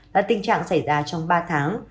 là tình trạng xảy ra trong ba tháng